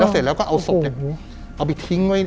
แล้วเสร็จแล้วก็เอาศพเนี่ย